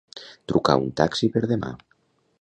Trucar un taxi per demà.